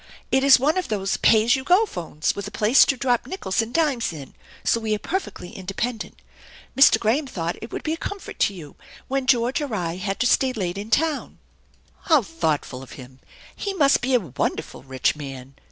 It is one of those ' pay as you go ' phones, with a place to drop nickels and dimes in; so we are perfectly independent. Mr. Graham t40 THE ENCHANTED BARN thought it would be a comfort to }'ou when George or I had to stay late in town." " How thoughtful of him ! He must be a wonderful rich man!